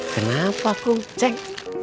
kenapa kum cek